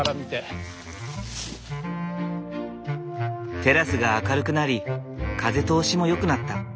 テラスが明るくなり風通しもよくなった。